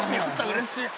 うれしい。